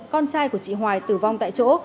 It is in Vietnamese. con trai của chị hoài tử vong tại chỗ